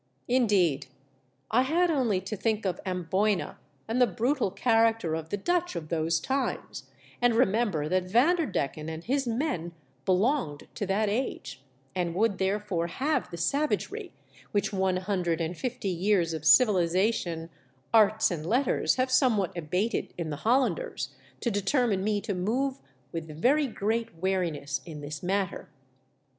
Indeed, I had only to think of Amboyna and the brutal character of the Dutch of those times, and remember that MY LIFE IS ATTEMPTED. 323 Vanderdecken and his men belonged to that age, and would therefore have the savagery which one hundred and fifty years of civiliza tion, arts, and letters have somewhat abated in the Hollanders, to determine me to move with very great wariness in this matter.